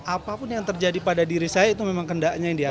apapun yang terjadi pada diri saya itu memang kendaknya yang dia